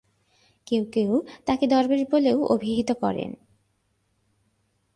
কেউ কেউ তাকে দরবেশ বলেও অভিহিত করেন।